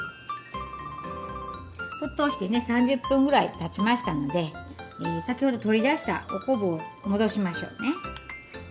沸騰してね３０分ぐらいたちましたので先ほど取り出したお昆布を戻しましょうね。